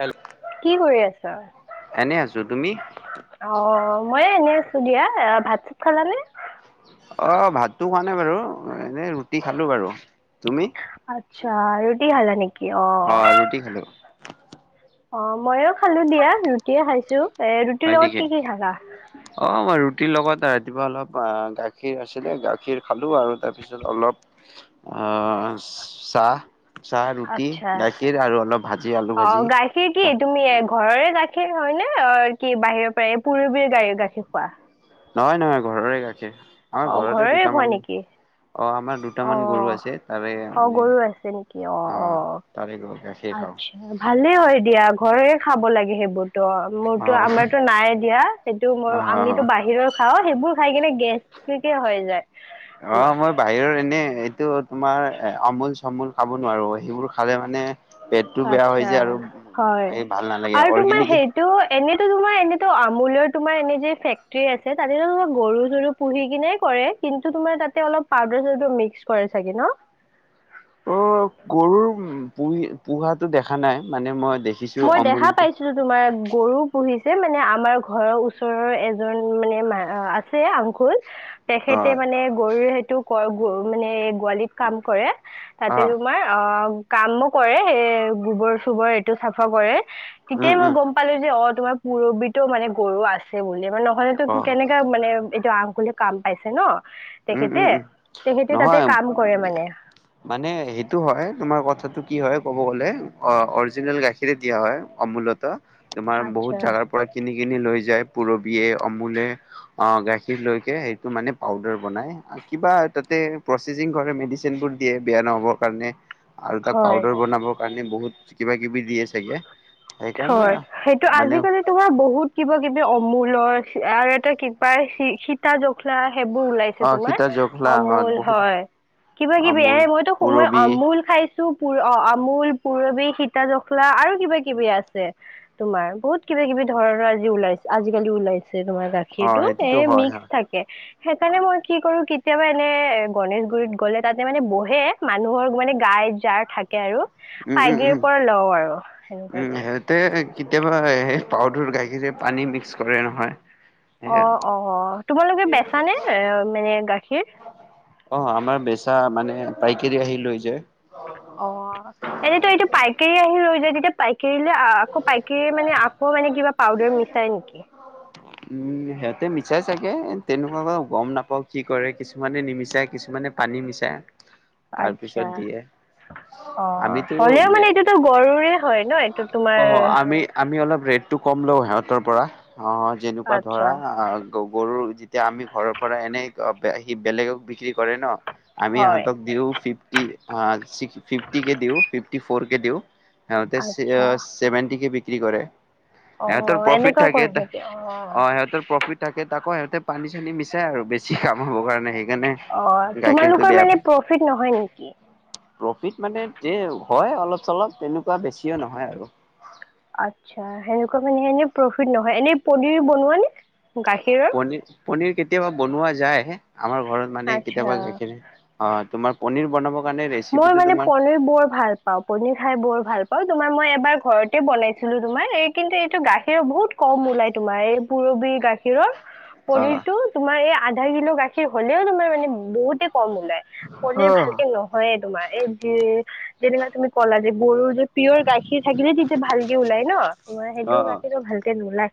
Hello কি কৰি আছা। ত তুমি। অ' মই এনেই আছোঁ দিয়া ভাত চাত খালানে। অ ভাতটো খোৱা নাই বাৰু এনে ৰুটি খালো বাৰু। তুমি আচ্ছা ৰুটি খালা নেকি। অ' অহ ৰুটি খালো। অ মইয়ো খালো দিয়া ৰুটিয়ে খাইছোঁ এ ৰুটিৰ হয় লগত নেকি কি কি খালা। অ মই ৰুটিৰ লগত ৰাতিপুৱা অলপ গাখীৰ আছিলে গাখীৰ খালোঁ আৰু তাৰপিছত অলপ। অহ চাহ। চাহ ৰুটি আচ্ছা, গাখীৰ আৰু অলপ ভাজি আলু অ ভাজি গাখীৰ কি তুমি ঘৰৰে গাখীৰ। গাখীৰ হ'য় নে? কি বাহিৰৰ পৰা এই পুৰবিৰ গাড় গাখীৰ খোৱা। নহয় নহয় ঘৰৰে গাখীৰ আমাৰ অ' ঘৰতে ঘৰৰে খোৱা দুটামান নেকি? অ আমাৰ। দুটামান গৰু অ' আছে তাৰে অ' মানে গৰু আছে নেকি? অ তাৰে গৰু গাখীৰ খাওঁ। ভালে হয় দিয়া ঘৰকে খাব লাগে সেইবোৰ। ত অ মোৰতো আমাৰতো নাই দিয়া। সেইটো মোৰ অ আমিতো বাহিৰৰ খাওঁ সেইবোৰ খাই কিনে গেছ। ঠিকে হৈ যায়। অ তোমাৰ মই বাহিৰৰ এনে। এইটো তোমাৰ আমূল চামূল খাব নোৱাৰোঁ সেইবোৰ খালে মানে। পেটটো বেয়া হৈ আচ্ছা যায় আৰু হ'য় এই ভাল নালাগে আৰু তোমাৰ অৰ্গেনিক সেইটো। এনেতো তোমাৰ এনেতো আমুললৰ তোমাৰ এনে যে ফেক্টৰী আছে তাতে তোমাৰ গৰু চৰু পুহি কিনে। কৰে কিন্তু তোমাৰ তাতে অলপ পউাৰ চাওডাৰ মিক্স কৰে চাগে ন। অ গৰুৰ পুহি পোহাটো দেখা নাই মানে মই। দেখিছো মই অমুল দেখা পাইছিলোঁ তোমাৰ গৰু পুহিছে। মানে আমাৰ ঘৰৰ ওচৰৰ এজন মানে আছে আংকুল। অ তেখেতে মানে গৰুৰ সেইটো ক গ মানে। গোৱালিত কাম ক। ৰে অ তাতে তোমাৰ অ কামো কৰে স গোবৰ চোবৰ এইটো। চাফা কৰে উম তেতিয়াই মই উম গম পালোঁ যে, অ তোমাৰ পুৰ্বিত মানে গৰু আছে বুলি মানে। নহলেতো অ কেনেকা মানে এইটো আংকুলে কাম পাইছে ন। উম উম তেখেতে উম তেখেতে নহয়। তাতে কাম কৰে মানে মানে সেইটো হয় তোমাৰ কথাটো কি হ'য় ক'ব গ'লে। অ অৰিজিনেল গাখীৰে দিয়া হ'য়। অমূলত তোমাৰ বহুত আচ্ছা জাগাৰ পৰা কিনি কিনি লৈ যায়। পুৰবিয়ে আমুলে অ গাখীৰ লৈকে সেইটো মানে পাউদাৰ। কিবা তাতে প্ৰচেছিং কৰে মেডিচিন বোৰ দিয়ে বেয়া নহব কাৰণে। আৰু তাক হয় পাউদাৰ বনাবৰ কাৰণে বহুত কিবা কিবি। দিয়ে চাগে সেইকাৰণে হ'য়, সেইটো মানে আজি কালি তোমাৰ বহুত কিবা কিবি অমূলৰ। আৰু এটা কিবা সীতা জখলা। সেইবোৰ ওলাইছে অ তোমাৰ সীতা জখলা অ আমুল বহুত হয়। কিবা- কিবি অমুল এনে মইতো মই পুৰবি আমুল খাইছোঁ। অহ আমুল, পুৰৱী, সীতা-জখলা জখলা আৰু কিবা- কিবি আছে তোমাৰ বহুত কিবা -কিবি ধৰণৰ আজি ওলাইছে আজি কালি ওলাইছে। তোমাৰ অ গাখীৰটো সেইটোতো এ হয় মিক্স হয় থাকে সেইকাৰণে মই কি কৰোঁ কিত কেতিয়াবা এনে গণেশগুৰিত গ'লে তাতে মানে বহে মানুহৰ মানে গাই যাৰ থাকে থাকে আৰু উম উম পাইগেৰি উম পৰা লওঁ আৰু। সেনেকুৱাই উম, কৰি সিহঁতে কেতিয়াবা পাউদাৰ -গাখীৰৰে পানী মিক্স কৰে নহয়। সেয়া অহ - অহ তোমালোকে বেচা নে মানে গাখীৰ,? অহ, আমাৰ বেচা মানে পাইকাৰী আহি লৈ যায়। অহ, এনেইটো এইটো পাইকাৰী আহি লৈ তেতিয়া পাইকাৰীলে আকৌ পাইকাৰী মানে আকৌ মানে কিবা পাউদাৰ মিছাই নেকি? উম, সিহঁতে মিছাই চাগে তেনেকুৱা বাৰো গম নাপাওঁ কি কৰে কিছুমানে নিমিছাই কিছুমানে মানে পানী মিচাই তাৰপিছত আচ্ছা দিয়ে। অ আমিতো হ'লেও মানে এইটোতো গৰুৰে হয় ন এইটো [unintelligible] তোমাৰ অ' আমি আমি অলপ ৰেটটো কম লওঁ সেহঁতৰ পৰা অহ যেনেকুৱা আচ্ছা ধৰা গৰুৰ যেতিয়া আমি ঘৰৰ পৰা এনেই সি বেলেগক বিক্ৰী কৰে ন আমি হয় ইহঁতক দিও ফিফটি -ফিফটি কে দিওঁ ফিফটি ফৰ কে দিওঁ হেহতে আচ্ছা ছেভেনটি কে বিক্ৰী কৰে, অ ইহঁতৰ প্ৰফিট এনেকুৱা থাকে কৰে নেকি অ অহ, সিহঁতৰ প্ৰফিট থাকে তাকো সিহঁতে পানী -চানী মিচাই আৰু বেছি কাম হব কাৰণে সেই অহ, তোমালোকৰ মানে প্ৰফিট নহয় নেকি? প্ৰফিট মানে যে হয় অলপ -চলপ তেনেকুৱা বেছিও নহয় আৰু। আচ্ছা [unintelligible] প্ৰফিট নহয় এনে পনীৰ বনোৱা নে? গাখীৰৰ পনী -পনীৰ কেতিয়াবা বনোৱা যায়। আমাৰ ঘৰত মানে কেতিয়াবা আচ্ছা [unintelligible] অ তোমাৰ পনিৰ বনাব মই মানে পনীৰ বৰ ভাল পাওঁ পনীৰ খাই বৰ ভাল পাওঁ তোমাৰ মই এবাৰ ঘৰতে বনাইছিলোঁ তোমাৰ এই কিন্তু এইটো গাখীৰৰ বহুত কম ওলাই তোমাৰ এই পুৰৱী গাখীৰৰ। অ পনীৰটো তোমাৰ এই আধা কিলো গাখীৰ হ'লেও তোমাৰ মানে বহুতে কম ওলাই পনীৰ ভালকে অ নহয়ে তোমাৰ এই যি যেনেকুৱা তুমি কলা যে বুল পিয়ৰ গাখীৰ থাকিলে তেতিয়া ভালকে ওলাই ন' তোমাৰ সেইটো অ গাখীৰ ভালকে নোলায়।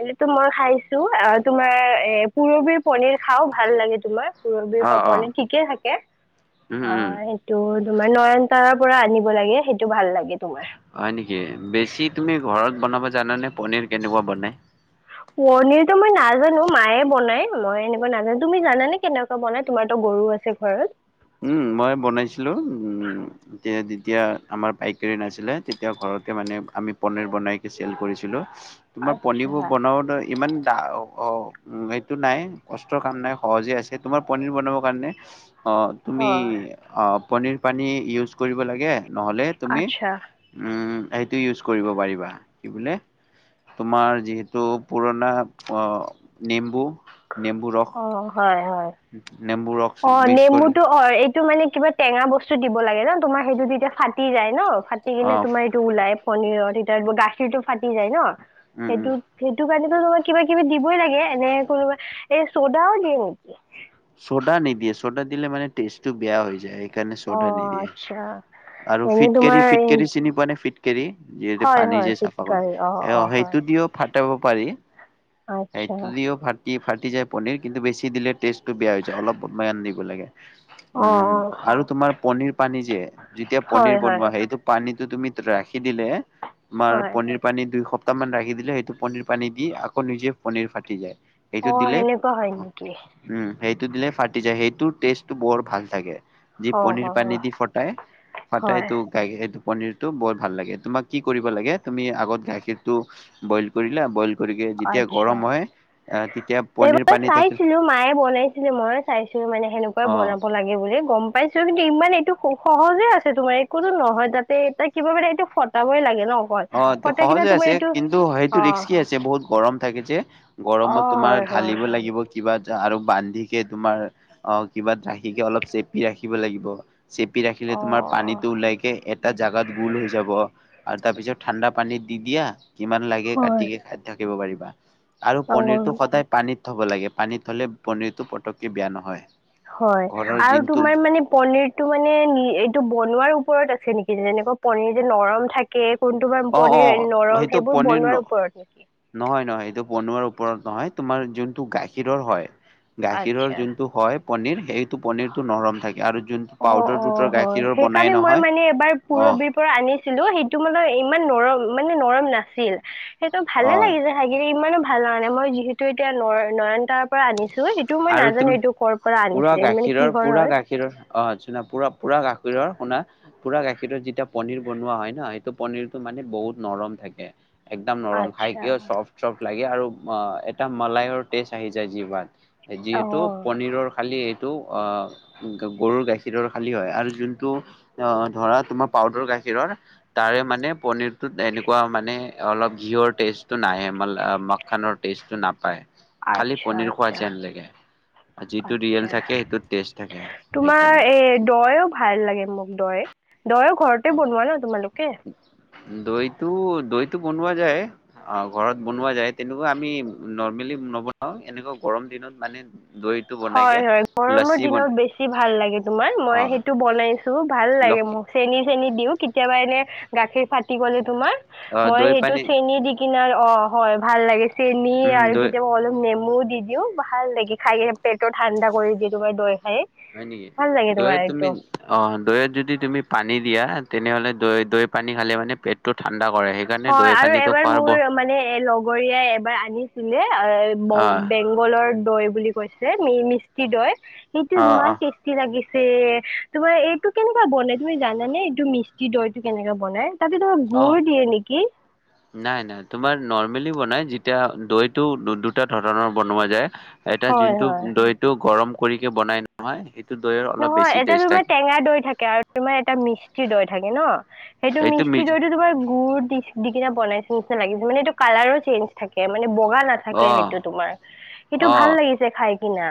এনেটো মই খাইছোঁ আহ তোমাৰ এ পূৰৱীৰ পনীৰ খাও ভাল লাগে তোমাৰ। পূৰৱীৰ অ অ পাপৰ নে ঠিকে থাকে উম উম অহ সেইটো তোমাৰ নয়ন তাৰাৰ পৰা আনিব লাগে সেইটো ভাল লাগে তোমাৰ। হয় নেকি বেছি তুমি ঘৰত বনাব জানানে পনীৰ কেনেকুৱা বনাই? পনিৰতো মই নাজানো মায়ে বনাই মই এনেকৈ নাজানো তুমি জানানে কেনেকুৱা বনাই তোমাৰতো গৰু আছে ঘৰত। উম, মই বনাইছিলোঁ উম এতিয়া যেতিয়া আমাৰ পাইকাৰী নাছিলে তেতিয়া ঘৰত তকে মানে আমি পনীৰ বনাইকে চেল কৰিছিলোঁ, তোমাৰ আচ্ছা পনীৰবোৰ বনাওঁতে ইমান অহ, উম সেইটো নাই কষ্টৰ কাম নাই সহজে আছে তোমাৰ পনীৰ বনাবৰ কাৰণে অ তুমি হয় অহ পনীৰ পানী ইউজ কৰিব লাগে নহলে তুমি আচ্ছা উম সেইটো ইউজ কৰিব পাৰিবা কি বোলে তোমাৰ যিহেতু পুৰণা অহ, নিম্বু অহ, হয়- হয়। নেম্বু ৰক্স অ' মিক্স কৰি নেমুটো অ' এইটো মানে কিবা টেঙা বস্তু দিব লাগে ন' তোমাৰ সেইটো তেতিয়া ফাটি যায় ন'? ফাটি কিনে অ' তোমাৰ এইটো ওলাই পনীৰত গাখীৰ টো ফাটি যায় ন'? উম, উম। সেইটোত - সেইটো কাৰণেতো তোমাক কিবা- কিবি দিবই লাগে এনে কোনোবা এ, চ'ডাও দিয়ে নেকি? ছ'ডা নিদিয়ে ছ'ডা দিলে মানে টেষ্টটো বেয়া হৈ যায় এইকাৰণে ছ'ডা অ' নিদিয়ে। আচ্ছা। আৰু এনে ফিট কেৰি, তোমাৰ ফিট কেৰি, চিনি পোৱা নে ফিট কেৰি। যিহেতু হয় পানী হয় যে চাফা ফিটকাৰী কৰে অ অ হয় সেইটো দিও। তব পাৰি, আচ্ছা সেইটো দিওঁ ফাটি ফাটি যায় পনিৰ। কিন্তু বেছি দিলে টেষ্টটো বেয়া হৈ যায় অলপ আন দিব লাগে। অ উম আৰু তোমাৰ পনিৰ পানী যে যেতিয়া পনিৰ হয় হয় বনোৱা সেইটো পানীটো তুমি ৰাখি দিলে, তোমাৰ হয় পনিৰ পানীৰ দুইখ বৰ্তমান ৰাখি দিলে সেইটো পনীৰ পানী দি আকৌ নিজে পনীৰ ফাটি যায়। অ এইটো দিলে সেনেকুৱা হয় নেকি উম সেই দিলে ফাটি যায় সেইটো টেষ্টটো বৰ ভাল থাকে, যি অ পনীৰ পানী অ দি ফটাই। ফটাই হয় টো গায় সেই পনিৰটো বৰ ভাল লাগে তোমাক কি কৰিব লাগে তুমি আগত গাখীৰটো বইল কৰিলা বই বইল কৰিকে যেতিয়া আচ্ছা গৰম হয় ই তে এইবাৰ চাইছিলোঁ মায়ে বনাইছিলে মই চাইছোঁ মানে সেনেকুৱাই অ', বনাব লাগে বুলি গম পাইছোঁ কিন্তু ইমান এইটো সহজে আছে তোমাৰ একোটো নহয় তাতে এ তাৰ কিবা মান এইটো ফটাবই লাগে। ন অকল অ ফটাই কিনে সহজে তোমাৰ আছে এইটো কিন্তু সেইটো অ ৰিক্সকি আছে বহুত গৰম থাকে যে। অ গৰমত তোমাৰ হয় হয় ঢালিব লাগিব কিবা। আৰু বান্ধিকে তোমাৰ অ কিবা ৰাখিকে, অলপ চেপি ৰাখিব লাগিব। চেপি ৰাখিলে অ তুমাৰ পানীটো ওলাইকে, এটা জাগাত গোল হৈ যাব আৰু তাৰপিছত। ঠাণ্ডা পানীত দি দিয়া কিমান লাগে কাটি হয় খাই থাকিব পাৰিবা। আৰু পনীৰটো অ সদায় পানী থব লাগে। পানীত থলে পনীৰটো পটককৈ বেয়া নহয়। হয় ঘৰৰ আৰু যোনটো তোমাৰ মানে পনিৰটো মানে এইটো বনোৱাৰ ওপৰত আছে। আছে নেকি যেনেকুৱা পনীৰ যে নৰম থাকে। কোনটো অ অ পনিৰ নৰম সেইটো সেইবোৰ বনোৱাৰ পনিৰ ওপৰত নেকি। নহয় নহয় এইটো বনোৱাৰ ওপৰত নহয়, তোমাৰ যোনটো গাখীৰৰ হয়। গাখীৰৰ আচ্ছা যোনটো হ'য় পনিৰ সেইটো পনিৰটো নৰম থাকে আৰু। যোনটো অ পাউদাৰ অ দুধৰ হ'য় গাখীৰৰ বনাই সেইকাৰণে মই নহয় মানে এবাৰ অ পুৰবীৰ পৰা আনিছিলোঁ সেইটো মানে ইমান নৰম। মানে নৰম নাছিল সেইটো অ ভালে লাগি যে খাই কিনে ইমানো। ভাল মানে মই যিহেতু এতিয়া ন নয়নতাৰ। পৰা আনিছোঁ সেইটো মই আৰু তুমি নাজানোঁ। এইটো কৰ পৰা পুৰা আনিছিল মানে গাখীৰৰ কিহৰ পুৰা হ'য়। গাখীৰৰ অ পুৰা পুৰা গাখীৰৰ শুনা পুৰা গাখীৰত যেতিয়া পনিৰ বনোৱা হয় ন সেইটো পনিৰ টো মানে বহুত। বহুত নৰম থাকে। একদম নৰম খাই আচ্ছা কিয় চফট চফট লাগে আৰু এটা মলাইৰ টেষ্ট আহিছে। জিভাত অ যিহেতু পনীৰৰ খালি এই। অ গৰুৰ গাখীৰৰ খালী হ'য় আৰু যোনটো অ ধৰা তোমাৰ পাউদাৰ গাখীৰ। গাখীৰৰ তাৰে মানে পনিৰটো এনেকুৱা মানে অলপ ঘীওৰ টেষ্ট নাহে মালাই। মখানৰ টেষ্টটো নাপায়। খালি আচ্ছা পনীৰ খোৱা আচ্ছা। যেন লাগে। যিটো ৰিয়েল আচ্ছা থাকে সেইটোত টেষ্ট থাকে তোমাৰ সেইকাৰণে এ দৈয়ো ভাল লাগে মোক দৈ। দৈ ঘৰতে বনোৱা ন তোমালোকে। দৈটো দৈটো বনোৱা যায় ঘৰত বনোৱা যায়। তেনেকুৱা আমি নৰমেলি নবনাওঁ এনেকুৱা গৰম। দিনত মানে। দৈটো বনাইকে হয় হয় গৰমৰ লচি দিনত বনাই বেছি ভাল লাগে। তোমাৰ মই অ সেইটো বনাইছোঁ ভাল লাগে। লক্ষী চেনি চেনি। দিওঁ কেতিয়াবা এনে গাখীৰ ফাটি গ'লে, তোমাৰ অ মই দৈ সেইটো পানী চেনি দিকিনে অ। হয় ভাল লাগে চেনি উম আৰু দৈ কেতিয়াবা অলপ নেমু দি দিওঁ ভাল লাগে খা‌ই কিনে। পেটটো ঠাণ্ডা কৰি দিয়ে এইটো হ'য় দৈ। খাই হয় নেকি ভাল লাগে তোমাৰ দৈত তুমি এইটো অ দৈত যদি তুমি পানী দিয়া। তেনেহ'লে দৈ দৈ পানী খালে মানে পেটটো ঠান্ডা। হয় আৰু এবাৰ মোৰ মানে লগৰীয়াই এবাৰ আনিছিলে অ বংগ বেংগলী। দৈ বুলি কৈ মিষ্টি দৈ সেইটো অ ইমান টেষ্টি লাগিছিল। এই, তোমাৰ এইটো কেনেকুৱা বনাই তুমি জানানে, এইটো মিষ্টী দৈটো কেনেকে বনাই? তাতে তোমাৰ অ অ গুড় দিয়ে নেকি? নাই নাই, তোমাৰ নৰ্মেলি বনাই যেতিয়া দৈটো দু-দুটা ধৰণৰ বনোৱা যায়। এটা হয় যোনটো হয়। দৈটো গৰম কৰিকে বনাই নহয় সেই নহয় এটা তোমাৰ টেঙা দৈ থাকে, আৰু তোমাৰ এটা মিষ্টিৰ দৈ থাকে ন। সেইটো এইটো মিষ্টি মিজ দৈটো তোমাৰ গুড় দিছ-দি কিনা বনাইছে নিচিনা লাগি মানে এইটো কালাৰো চেঞ্জ থাকে মানে মানে বগা নাথাকে অ', সেইটো, তোমাৰ সেইটো ভাল অ', লাগিছে খাই কিনা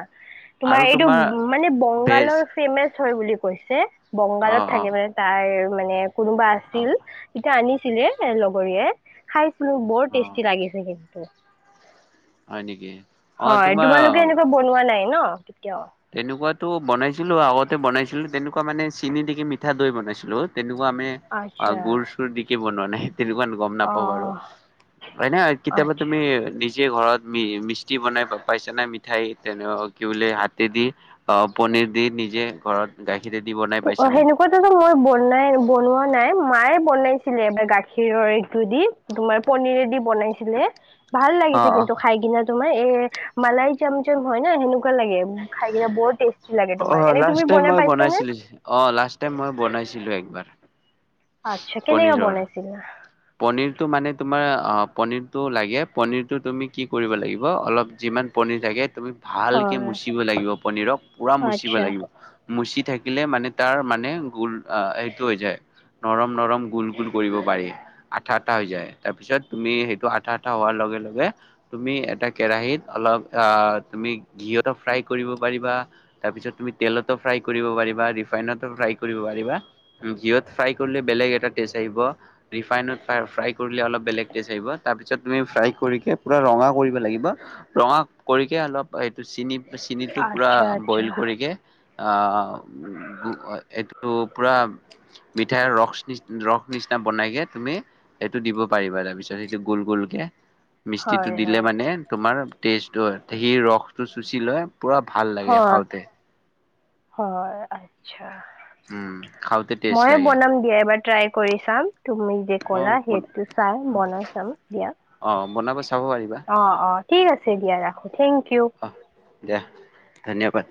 তোমাৰ এইটো মানে ভেজ বংগালৰ ফেমাচ হয় বুলি কৈছে। বংগালত অ', থাকে অ', মানে তাইৰ মানে কোনোবা অ', আছিল, তেতিয়া আনিছ আনিছিলে, এ লগৰীয়াই খাইছিলোঁ বৰ অ', টেষ্টি লাগিছে কিন্তু। হয় নেকি? অ', হয়, তোমাৰ তোমালোকে এনেকুৱা বনোৱা নাই ন? কেতিয়াও তেনেকুৱাতো বনাইছিলোঁ আগতে বনাইছিলো, তেনেকুৱা মানে চিনি দি কিনে মিঠা দৈ বনাইছিলোঁ। তেনেকুৱা আমি আচ্ছা গুৰ চুৰ দিকে বনোৱা নাই। তেনেকুৱান গম অ নাপাওঁ বাৰু, এনেয়ে কতিয়াবা আচ্ছা তুমি যে ঘৰত মি-মিষ্টী বনাই পাইছে নে মিঠাই তেনেক তেদি, অ পনীৰ দি নিজে ঘৰত গা পু অ', সেনেকুৱাতুটো মই বনাই-বনোৱা নাই, মায়ে বনাইছিলে এবাৰ গাখীৰৰ এইটো দি, তোমাৰ পনীৰে দি বনাইছিলে ভাল অ লাগিছে অ কিন্তু খাই কিনা তোমাৰ, এ, মালাই চম চম হয় ন সেনেক কুৱা লাগে, খাই কিনে বৰ টেষ্টি লাগে অ তোমাৰ, এনে লাষ্ট তুমি টাইম বনাই মই পাইছা নে? বনাইছিলো অ', লাষ্ট টাইম মই বনাইছিলো একবাৰ। আচ্ছা, কেনেকা পনীৰৰ। বনাইছিলা? পনীৰটো মানে তোমাৰ পনীৰটো লাগে, পনীৰটো তুমি কি কৰিব লাগিব অলপ যিমান প পনিৰ লাগে তুমি ভালকে হয় মুছিব লাগিব পনিৰক, পুৰা মুচিব আচ্ছা লাগিব, মুচি থাকিলে মানে তাৰ মানে গল সেইটো হৈ যায়। নৰম নৰম গোল গোল কৰিব পাৰি। আঠা আঠটা হৈ যায়, তাৰপিছত তুমি সেইটো আঠা আঠা হোৱাৰ লগে লগে, তুমি এটা কেৰাহিত অলপ [unintelligible] তুমি ঘিয়তো ফ্ৰাই কৰিব পাৰিবা, তাৰপিছত তুমি তেলতো ফ্ৰাই কৰিব পাৰিবা। ৰিফাইনতো ফ্ৰাই কৰিব পাৰিবা, ঘিয়ত ফ্ৰাই কৰিলে বেলেগ এটা টেষ্ট আহিব, ৰিফাইনত [unintelligible] ফ্ৰাই কৰিলে অলপ বেলেগ টেষ্ট আহিব, তাপিছত তুমি ফ্ৰাই কৰিকে পুৰা ৰঙা কৰিব লাগিব, ৰঙা কৰিকে অলপ এইটো চিনি-চিনিটো পুৰা আচ্ছা আচ্ছা বইল কৰিকে অ, এইটো পুৰা মিঠাইৰ ৰস নি ৰস নিচনা বনাইকে তুমি এইটো দিব পাৰিবা তাৰপিছত সেইটো গোল গোলকে, হয় মিস্তিটো দিলে হয় মানে তোমাৰ টেষ্টো হয়, সি ৰসটো চুচি লয়, পুৰা ভাল লাগে হয় খাওঁতে। হয়, আচ্ছা। উম খাওঁতে টেষ্ট ময়ে লাগে বনাম দিয়া এবাৰ ট্ৰাই কৰি চাম, তুমি যে কলা অ সেইটো চাই বনাই চাম দিয়া। অ', বনাব চাব পাৰিবা। এ দিয়া ৰাখোঁ, থেংক ইউ অ', দিয়া। ধন্যবাদ।